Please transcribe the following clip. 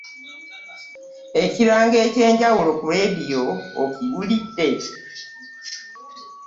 Ekirango ekyenjawulo ku leediyo okiwulidde?